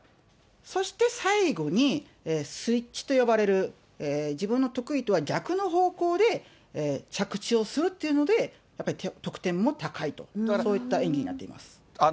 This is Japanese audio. そして最後に、スイッチと呼ばれる、自分の得意とは逆の方向で着地をするっていうので、やっぱり得点も高いと、そういった演技になってます。